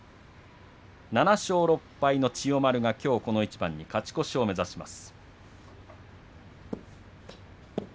７勝６敗の千代丸がきょうこの一番に勝ち越しを目指します。